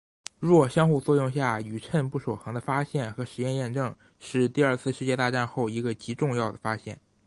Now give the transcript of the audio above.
弱相互作用下宇称不守恒的发现和实验验证是第二次世界大战后一个极重要的发现。